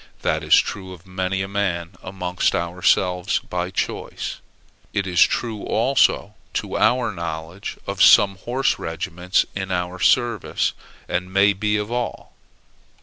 That is true of many a man amongst ourselves by choice; it is true also, to our knowledge, of some horse regiments in our service, and may be of all.